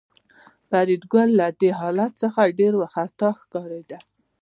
فریدګل له دې حالت څخه ډېر وارخطا ښکارېده